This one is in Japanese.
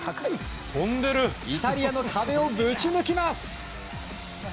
イタリアの壁をぶち抜きます。